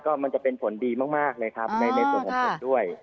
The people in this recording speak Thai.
ก็มันจะเป็นผลดีมากเลยครับในส่วนของผมด้วย